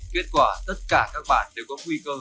kết quả tất cả các bạn đều có nguy cơ